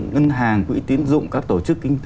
ngân hàng quỹ tiến dụng các tổ chức